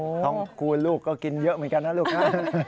ทองคูณลูกก็กินเยอะเหมือนกันนะลูกนะ